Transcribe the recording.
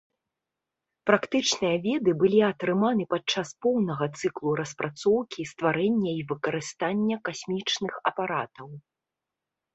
Практычныя веды былі атрыманы падчас поўнага цыклу распрацоўкі, стварэння і выкарыстання касмічных апаратаў.